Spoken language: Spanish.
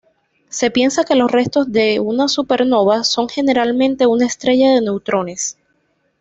Se piensa que los restos de una supernova son generalmente una estrella de neutrones.